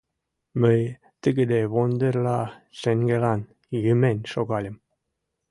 Мый тыгыде вондерла шеҥгелан йымен шогальым.